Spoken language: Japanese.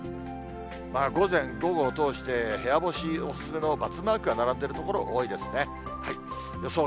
午前、午後を通して、部屋干しお勧めの×マーク並んでいる所多いですね。